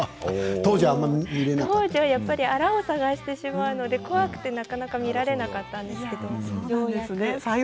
当時は粗を探してしまうので怖くてなかなか見られなかったんですけど、ようやく。